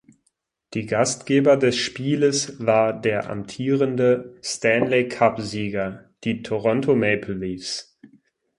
Die Gastgeber des Spieles war der amtierende Stanley Cup-Sieger, die Toronto Maple Leafs.